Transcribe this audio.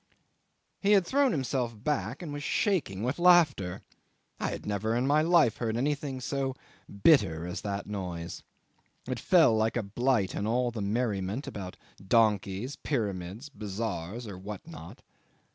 ..." 'He had thrown himself back and was shaking with laughter. I had never in my life heard anything so bitter as that noise. It fell like a blight on all the merriment about donkeys, pyramids, bazaars, or what not.